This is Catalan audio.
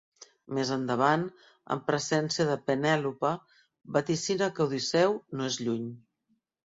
Més endavant, en presència de Penèlope, vaticina que Odisseu no és lluny.